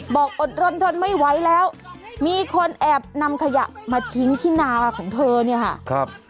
อดรนทนไม่ไหวแล้วมีคนแอบนำขยะมาทิ้งที่นาของเธอเนี่ยค่ะครับ